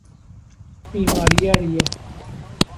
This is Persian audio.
بیماری ریه